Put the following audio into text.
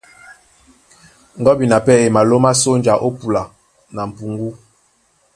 Gɔ́bina pɛ́ á lómá sónja ó púla ná m̀puŋgú.